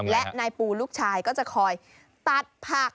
และนายปูลูกชายก็จะคอยตัดผัก